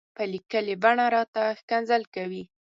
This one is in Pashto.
په ليکلې بڼه راته ښکنځل کوي.